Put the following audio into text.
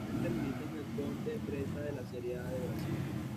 Actualmente milita en la Ponte Preta de la Serie A de Brasil.